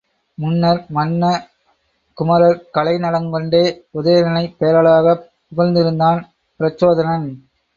முன்னர், மன்ன குமரர் கலை நலங்கண்டே உதயணனைப் பேரளவாகப் புகழ்ந்திருந்தான் பிரச்சோதனன்.